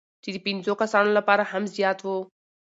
چې د پنځو کسانو لپاره هم زیات وو،